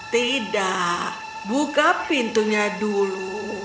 tidak buka pintunya dulu